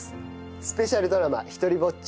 スペシャルドラマ「ひとりぼっち」